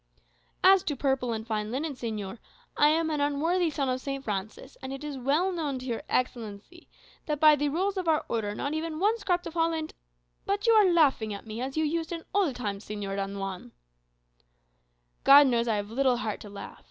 "As to purple and fine linen, señor, I am an unworthy son of St. Francis; and it is well known to your Excellency that by the rules of our Order not even one scrap of holland But you are laughing at me, as you used in old times, Señor Don Juan." "God knows, I have little heart to laugh.